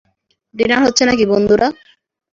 Dinner হচ্ছে নাকি, বন্ধুরা?